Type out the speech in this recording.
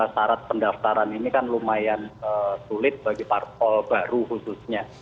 syarat pendaftaran ini kan lumayan sulit bagi parpol baru khususnya